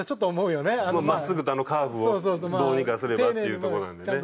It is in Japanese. まあまっすぐとあのカーブをどうにかすればっていうところなんでねはい。